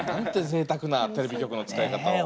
ぜいたくなテレビ局の使い方を。